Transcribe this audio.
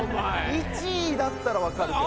１位だったら分かるけど。